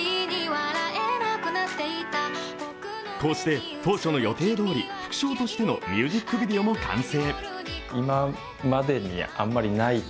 こうして、当初の予定どおり副賞としてのミュージックビデオも完成。